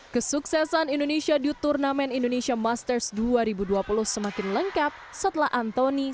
kesuksesan indonesia di turnamen indonesia masters dua ribu dua puluh semakin lengkap setelah antoni